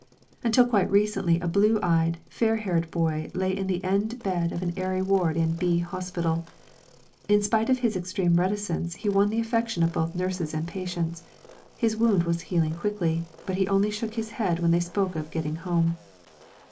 Until quite recently a blue eyed, fair haired boy lay in the end bed of an airy ward in B Hospital. In spite of his extreme reticence he won the affection of both nurses and patients. His wound was healing quickly, but he only shook his head when they spoke of getting home.